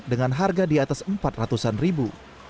dengan harga diatas empat ratus an ribu